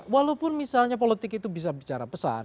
walaupun misalnya politik itu bisa bicara pesan